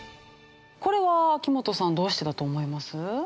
これは秋元さんどうしてだと思います？